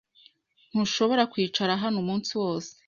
Ntushobora kwicara hano umunsi wose.